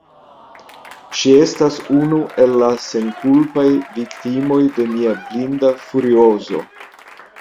Ŝi estas unu el la senkulpaj viktimoj de mia blinda furiozo.